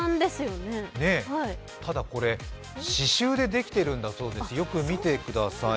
ただこれ刺しゅうでできているんだそうです、よく見てください。